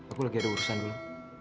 aku lagi ada urusan dulu